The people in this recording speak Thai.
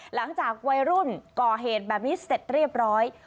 หลังจากวัยรุ่นก่อเหตุแบบนี้เสร็จเรียบร้อย